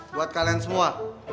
buat kalian semua